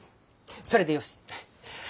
それでよし。